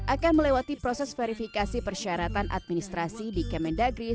akan melewati proses verifikasi persyaratan administrasi di kemendagri